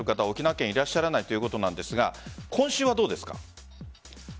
沖縄県、いらっしゃらないということですが今週はどうですか？